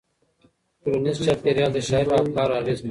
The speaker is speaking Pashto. ټولنیز چاپیریال د شاعر په افکارو اغېز کوي.